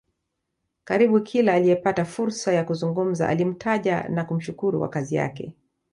Karibu kila aliyepata fursa ya kuzungumza alimtaja na kumshukuru kwa kazi yake